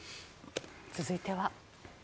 続いては。